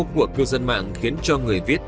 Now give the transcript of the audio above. của cư dân mạng khiến cho người viết